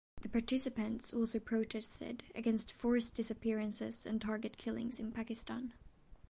The participants also protested against forced disappearances and target killings in Pakistan.